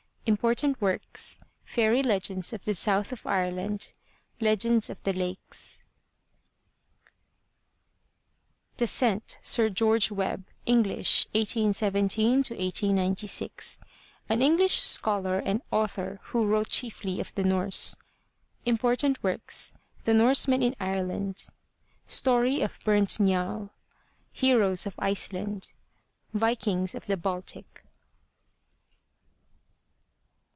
Important Works: Fairy Legends of the South of Ireland. Legends of the Lakes DASENT, SIR GEORGE WEBB (English, 1817 1896) An English scholar and author who wrote chiefly of the Norse. Important Works: The Norsemen in Ireland. Story of Burnt Njal. Heroes of Iceland. Viktngs of the Baltic.